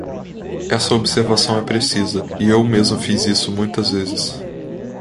Essa observação é precisa e eu mesmo fiz isso muitas vezes.